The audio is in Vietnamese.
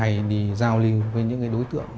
hãy đi giao linh với những đối tượng